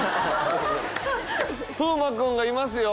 風磨君がいますよ。